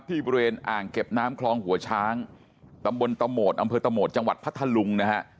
บริเวณอ่างเก็บน้ำคลองหัวช้างตำบลตะโหมดอำเภอตะโหมดจังหวัดพัทธลุงนะฮะ